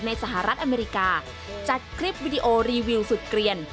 สหรัฐอเมริกาจัดคลิปวิดีโอรีวิวสุดเกลียน